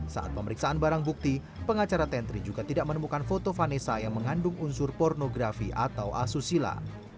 saat pemeriksaan barang bukti pengacara tentri juga tidak menemukan foto vanessa yang mengandung unsur pornografi atau asusila